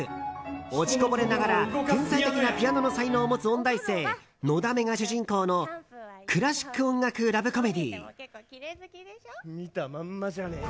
落ちこぼれながら天才的なピアノの才能を持つ音大生・のだめが主人公のクラシック音楽ラブコメディー。